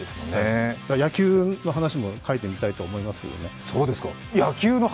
野球の話も書いてみたいと思いますけどね。